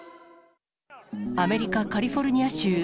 アメリカ・カリフォルニア州。